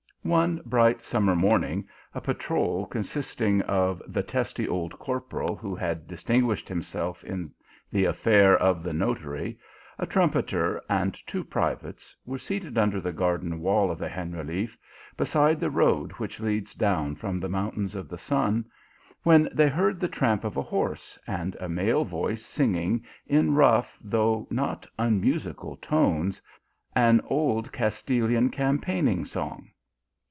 One bright summer morning, a patrol consisting of the testy old corporal who had distinguished himself in the affair of the notary, a trumpeter and two privates were seated under the garden wall of the Ceneraliffe, beside the road which leads down from the mountain of the Sun, when they heard the tramp of a horse, and a male voice singing in rough, though not unmusical tones, an old Castilian cam paigning song.